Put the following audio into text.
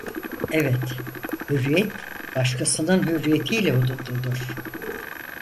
Evet, hürriyet başkasının hürriyetiyle hudutludur.